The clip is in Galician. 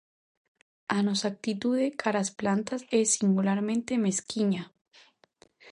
A nosa actitude cara as plantas é singularmente mesquiña.